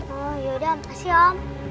oh yaudah makasih om